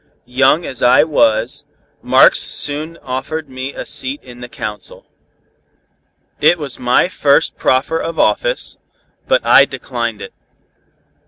Young as I was, Marx soon offered me a seat in the Council. It was my first proffer of office, but I declined it.